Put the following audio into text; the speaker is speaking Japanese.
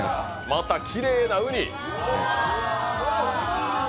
また、きれいなうに。